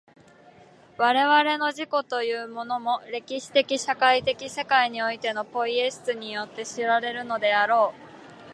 我々の自己というものも、歴史的社会的世界においてのポイエシスによって知られるのであろう。